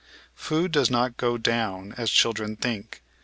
'* Food does not "go down," as chil dren think.